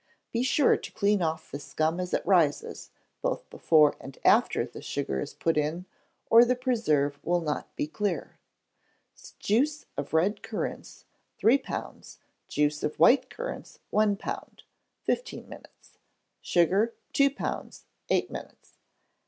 Be sure to clean off the scum as it rises, both before and after the sugar is put in, or the preserve will not be clear. Juice of red currants, three pounds; juice of white currants, one pound: fifteen minutes. Sugar, two pounds: eight minutes.